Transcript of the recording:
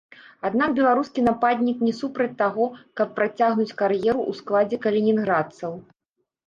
Аднак беларускі нападнік не супраць таго, каб працягнуць кар'еру ў складзе калінінградцаў.